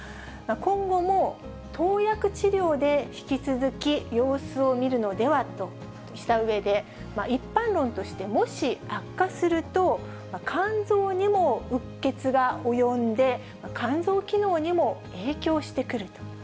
今後も投薬治療で、引き続き様子を見るのではとしたうえで、一般論として、もし悪化すると、肝臓にもうっ血が及んで、肝臓機能にも影響してくると。